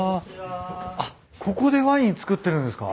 あっここでワイン造ってるんですか？